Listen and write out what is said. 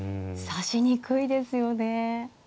指しにくいですよね。